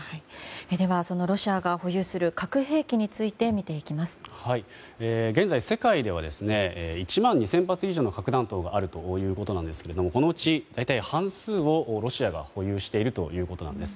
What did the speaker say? では、そのロシアが保有する核兵器について現在、世界では１万２０００発以上の核弾頭があるということですがこのうち、大体半数をロシアが保有しているということなんです。